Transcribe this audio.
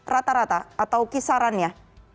rata rata atau kisarannya